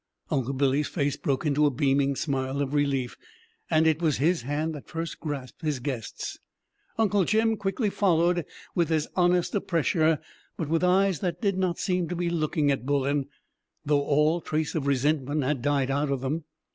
Uncle Billy's face broke into a beaming smile of relief, and it was his hand that first grasped his guest's; Uncle Jim quickly followed with as honest a pressure, but with eyes that did not seem to be looking at Bullen, though all trace of resentment had died out of them.